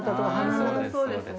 そうですね。